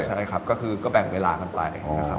ใช่ครับก็คือก็แบ่งเวลากันไปนะครับ